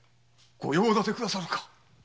ご用立てくださるか？